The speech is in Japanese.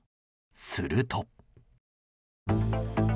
すると。